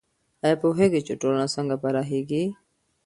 آیا پوهېږئ چې ټولنه څنګه پراخیږي؟